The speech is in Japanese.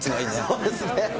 そうですね。